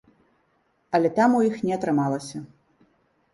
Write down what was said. Але там у іх не атрымалася.